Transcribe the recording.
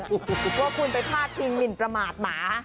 กูหัวคุณเป็นพลาดทิมหมินประหมัดหมา